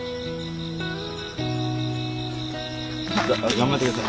頑張ってください。